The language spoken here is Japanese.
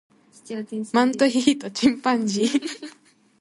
マントヒヒとチンパンジー